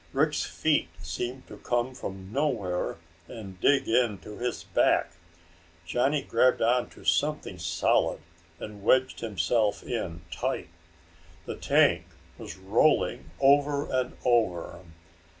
Rick's feet seemed to come from nowhere and dig into his back. Johnny grabbed on to something solid and wedged himself in tight. The tank was rolling over and over.